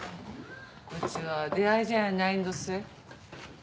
うちは出会い茶屋やないんどすえ。